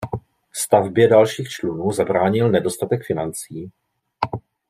Stavbě dalších člunů zabránil nedostatek financí.